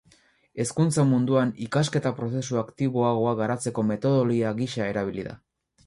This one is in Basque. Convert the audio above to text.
Hezkuntza munduan ikasketa-prozesu aktiboagoa garatzeko metodologia gisa erabili da.